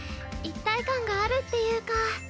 一体感があるっていうか。